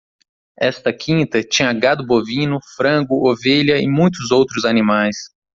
Esta quinta tinha gado bovino? frango? ovelha e muitos outros animais.